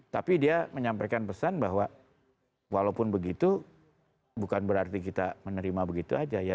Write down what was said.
tapi dia menyampaikan pesan bahwa walaupun begitu bukan berarti kita menerima begitu aja ya